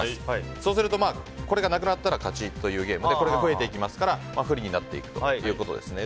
そうすると、これがなくなったら勝ちというゲームでこれが増えていきますから不利になっていくということです。